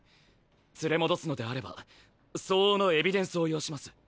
連れ戻すのであれば相応のエビデンスを要します。